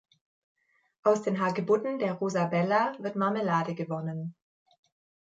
Aus den Hagebutten der "Rosa bella" wird Marmelade gewonnen.